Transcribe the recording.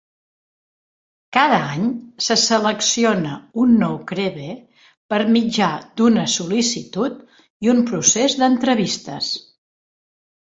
Cada any se selecciona un nou krewe per mitjà d'una sol·licitud i un procés d'entrevistes.